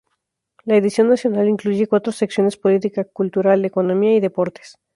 La edición nacional incluye cuatro secciones: política, cultura, economía y deportes.